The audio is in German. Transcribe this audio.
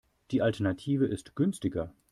Die Alternative ist günstiger.